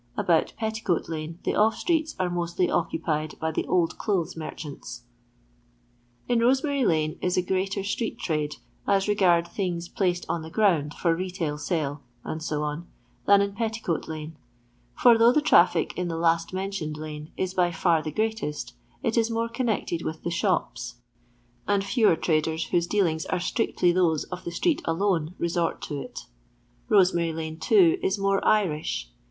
About Petticoat lane the off streets are mostly occupied by the old clothes merchants. In Rosemary lane is a greater itreet im^e, as regards things placed on the ground for retail sale, &c., than in Petticoat lane ; for though the traffic in the last mentioned lane is by far the greatest, it is more connected with the shops, and fewer 40 LONDON LABOUR AND TUB LONDON POOR, traden whose dealings are strictly those of the street alone resort to it. Rosemary lane, too, is more Irish.